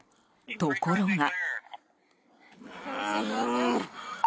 ところが。